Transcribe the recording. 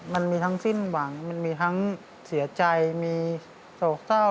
มันมีทั้งสิ้นหวังมันมีทั้งเสียใจมีโศกเศร้า